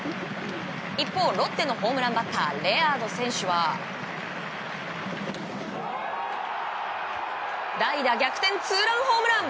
一方、ロッテのホームランバッターレアード選手は代打逆転ツーランホームラン！